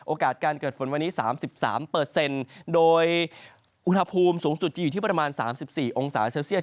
การเกิดฝนวันนี้๓๓โดยอุณหภูมิสูงสุดจะอยู่ที่ประมาณ๓๔องศาเซลเซียต